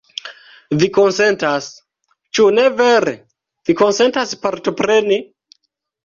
Vi konsentas, ĉu ne vere? Vi konsentas partopreni?